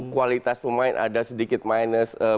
kualitas pemain ada sedikit minus